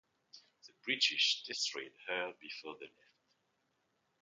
The British destroyed her before they left.